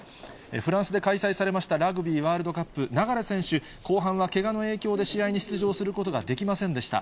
フランスで開催されましたラグビーワールドカップ、流選手、後半はけがの影響で試合に出場することができませんでした。